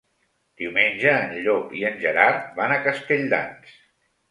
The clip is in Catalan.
Diumenge en Llop i en Gerard van a Castelldans.